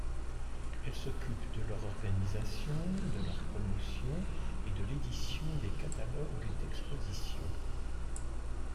Elle s'occupe de leur organisation, de leur promotion, et de l'édition des catalogues d'exposition.